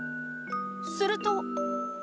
すると。